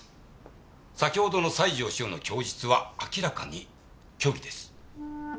先ほどの西条史歩の供述は明らかに虚偽です。